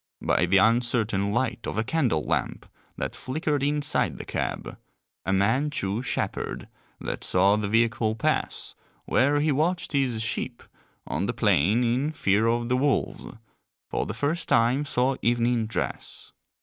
By the uncertain light of a candle lamp that flickered inside the cab, a Manchu shepherd that saw the vehicle pass, where he watched his sheep on the plain in fear of the wolves, for the first time saw evening dress.